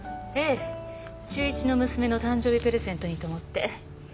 ええ中１の娘の誕生日プレゼントにと思って。